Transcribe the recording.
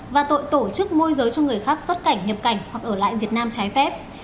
và tội tổ chức môi giới cho người khác xuất cảnh nhập cảnh hoặc ở lại việt nam trái phép